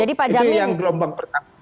itu yang gelombang pertama